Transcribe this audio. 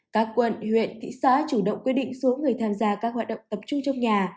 các quận huyện thị xã chủ động quy định số người tham gia các hoạt động tập trung trong nhà